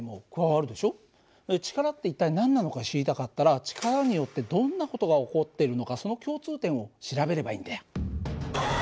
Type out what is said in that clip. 力って一体何なのか知りたかったら力によってどんな事が起こっているのかその共通点を調べればいいんだよ。